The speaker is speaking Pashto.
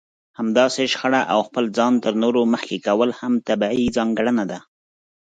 همداسې شخړه او خپل ځان تر نورو مخکې کول هم طبيعي ځانګړنه ده.